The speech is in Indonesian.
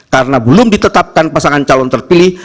karena belum ditetapkan pasangan calon terpilih